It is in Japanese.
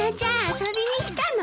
遊びに来たの？